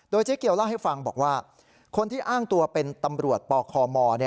เจ๊เกียวเล่าให้ฟังบอกว่าคนที่อ้างตัวเป็นตำรวจปคม